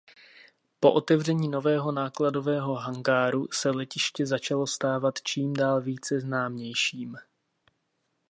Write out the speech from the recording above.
Po otevření nového nákladového hangáru se letiště začalo stávat čím dál více známějším.